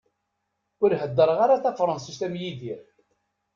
Ur heddreɣ ara Tafransist am Yidir.